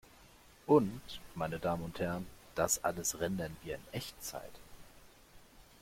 Und, meine Damen und Herren, das alles rendern wir in Echtzeit!